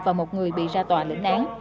và một người bị ra tòa lĩnh án